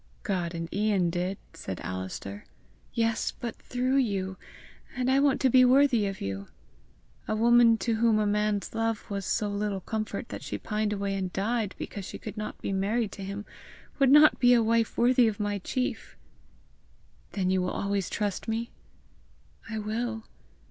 "God and Ian did," said Alister. "Yes, but through you, and I want to be worthy of you. A woman to whom a man's love was so little comfort that she pined away and died because she could not be married to him, would not be a wife worthy of my chief!" "Then you will always trust me?" "I will.